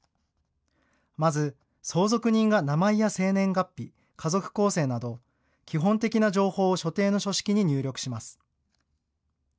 まず相続人が名前や生年月日、家族構成など基本的な情報を所定の書式に入力します。